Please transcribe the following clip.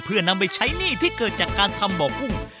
เพื่อนำไปใช้หนี้ที่เกิดจากการทำบ่อกุ้ง